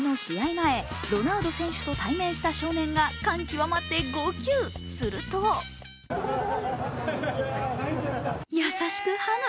前、ロナウド選手と対面した少年が感極まって号泣、すると優しくハグ。